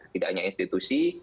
tidak hanya institusi